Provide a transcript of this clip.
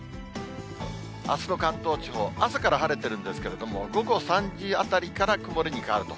あすの関東地方、朝から晴れてるんですけれども、午後３時あたりから曇りに変わると。